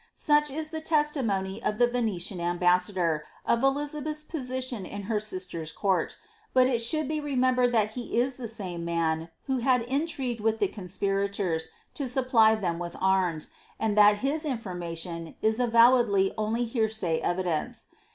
Such is the testimony of the Venetian ambassador, of Elizabeth's position in her sistcr^s court, but it should be remembered that he is the same man, who had intrigued with the conspirators to supply them with arms, and that his information is avowedly only hearsay evidence.